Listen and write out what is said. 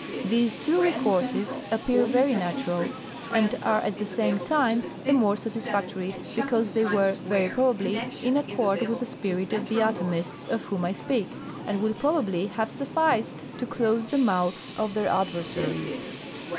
These two recourses appear very natural, and are at the same time the more satisfactory because they were (very probably) in accord with the spirit of the atomists of whom I speak, and would probably have sufficed to close the mouths of their adversaries.